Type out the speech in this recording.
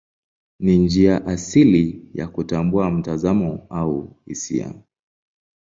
Ni njia asili ya kutambua mtazamo au hisia.